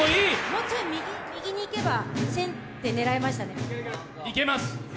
もうちょい右にいけば１０００点狙えましたね。